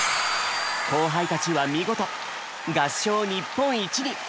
後輩たちは見事合唱日本一に！